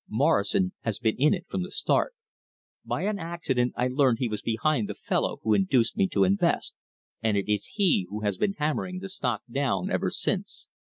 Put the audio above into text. Morrison has been in it from the start. By an accident I learned he was behind the fellow who induced me to invest, and it is he who has been hammering the stock down ever since.